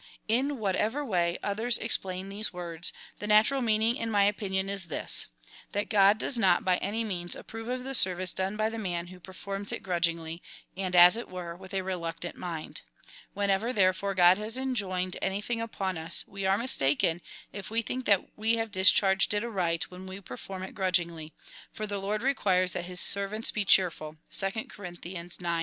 In whatever way others explain these words, the natural meaning, in my opinion, is this — that God does not by any means approve of the service done by the man who per forms it grudgingly, and, as it were, with a reluctant mind. Whenever, therefore, Grod has enjoined anything upon us, Ave are mistaken, if we think that we have discharged it aright, when we perform it grudgingly ; for the Lord requires that his servants be cheerful, (2 Cor. ix.